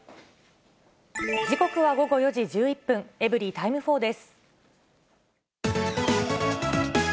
時刻は午後４時１１分、エブリィタイム４です。